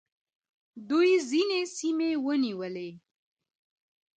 دوی ځینې سیمې ونیولې